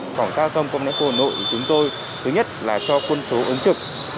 phòng hành xã phòng công nét hồ nội chúng tôi thứ nhất là cho quân số ứng trực